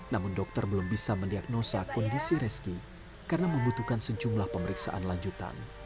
namun dokter belum bisa mendiagnosa kondisi reski karena membutuhkan sejumlah pemeriksaan lanjutan